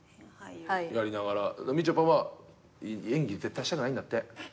みちょぱは演技絶対したくないんだって。